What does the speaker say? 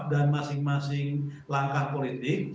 dan masing masing langkah politik